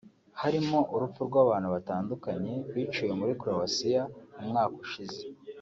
harimo urupfu rw’abantu batandukanye biciwe muri Croatia mu mwaka ushize